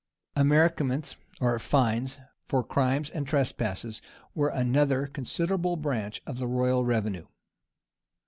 [] Amerciaments or fines for crimes and trespasses were an ether considerable branch of the royal revenue.